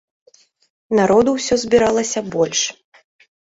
Народу ўсё збіралася больш.